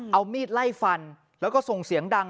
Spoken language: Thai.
เอามีดไล่ฟันแล้วก็ส่งเสียงดัง